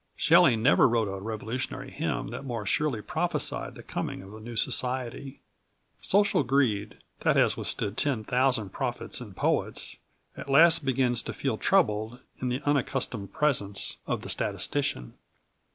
Shelley never wrote a revolutionary hymn that more surely prophesied the coming of a new society. Social greed, that has withstood ten thousand prophets and poets, at last begins to feel troubled in the unaccustomed presence of the statistician.